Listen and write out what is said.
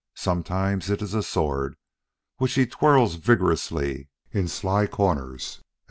Sometimes it is a sword, which he twirls vigorously in sly corners.